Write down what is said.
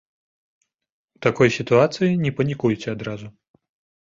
У такой сітуацыі не панікуйце адразу.